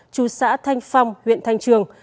chú xã thanh phong huyện thanh trường